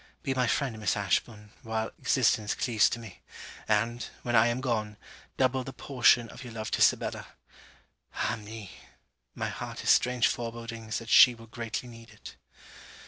Be my friend, Miss Ashburn, while existence cleaves to me; and, when I am gone, double the portion of your love to Sibella. Ah me! my heart has strange forebodings that she will greatly need it.